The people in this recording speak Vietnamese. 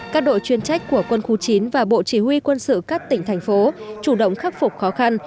các đội chuyên trách của quân khu chín và bộ chỉ huy quân sự các tỉnh thành phố chủ động khắc phục khó khăn